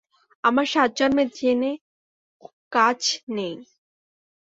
আমার সাতজন্মে জেনে কাজ নেই।